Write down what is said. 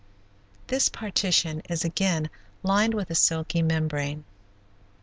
This partition is again lined with a silky membrane.